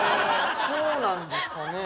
そうなんですかね。